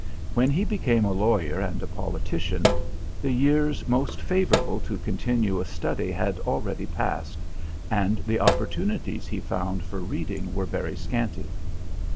When he became a lawyer and a politician, the years most favourable to continuous study had already passed, and the opportunities he found for reading were very scanty.